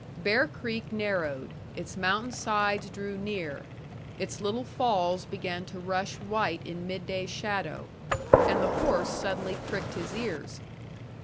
Bear Creek narrowed, its mountain sides drew near, its little falls began to rush white in midday shadow, and the horse suddenly pricked his ears.